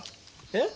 えっ？